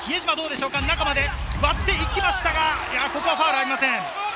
比江島、中まで割って行きましたが、ここはファウルがありません。